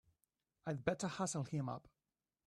I'd better hustle him up!